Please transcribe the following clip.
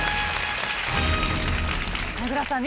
名倉さん